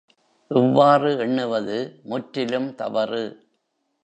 இவ்வாறு எண்ணுவது முற்றிலும் தவறு.